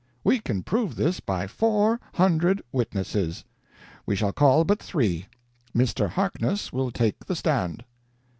We can prove this by four hundred witnesses we shall call but three. Mr. Harkness will take the stand."